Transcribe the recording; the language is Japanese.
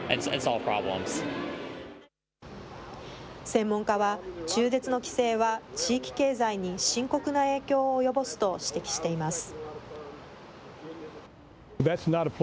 専門家は、中絶の規制は地域経済に深刻な影響を及ぼすと指摘しています。